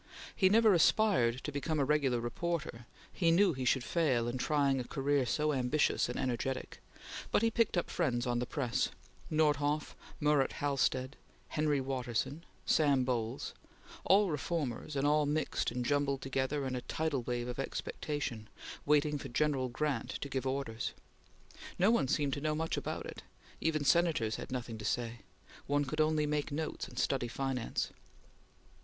He never aspired to become a regular reporter; he knew he should fail in trying a career so ambitious and energetic; but he picked up friends on the press Nordhoff, Murat Halstead, Henry Watterson, Sam Bowles all reformers, and all mixed and jumbled together in a tidal wave of expectation, waiting for General Grant to give orders. No one seemed to know much about it. Even Senators had nothing to say. One could only make notes and study finance.